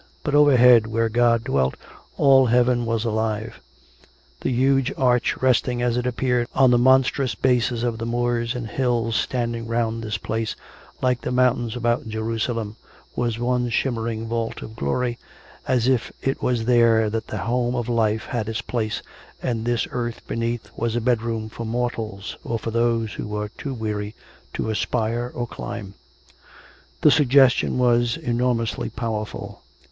But overhead, where God dwelt, all heaven was alive. The huge arch resting, as it appeared, on the monstrous bases of the S88 COME RACK! COME ROPE! moors and hills standing round this place, like the moun tains about Jerusalem, was one shimmering vault of glory, as if it was there that the home of life had its place, and this earth beneath but a bedroom for mortals, or for those that were too weary to aspire or climb. The suggestion was enormously powerful.